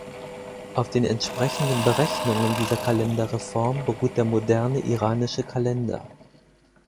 Auf den entsprechenden Berechnungen dieser Kalenderreform beruht der moderne iranische Kalender.